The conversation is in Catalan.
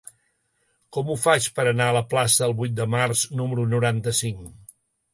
Com ho faig per anar a la plaça del Vuit de Març número noranta-cinc?